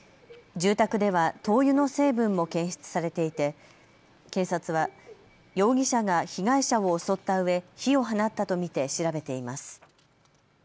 住宅では灯油の成分も検出されていて警察は容疑者が被害者を襲ったうえ火を放ったと見て調べています。